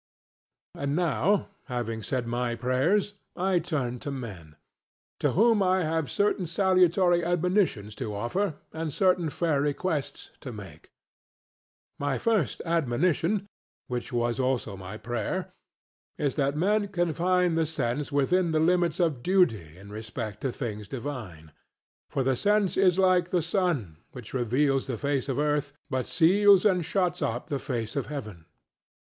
And now having said my prayers I turn to men; to whom I have certain salutary admonitions to offer and certain fair requests to make. My first admonition (which was also my prayer) is that men confine the sense within the limits of duty in respect to things divine: for the sense is like the sun, which reveals the face of earth, but seals and shuts up the face of heaven.